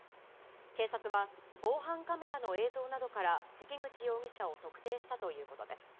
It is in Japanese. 警察は、防犯カメラの映像などから、関口容疑者を特定したということです。